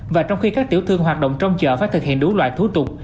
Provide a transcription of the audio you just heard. và trong khi các tiểu thương hoạt động trong chợ phải thực hiện đúng loại thú tục